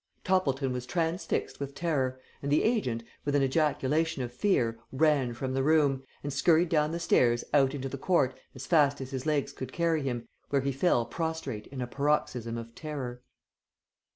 Toppleton was transfixed with terror, and the agent, with an ejaculation of fear, ran from the room, and scurried down the stairs out into the court as fast as his legs could carry him, where he fell prostrate in a paroxysm of terror.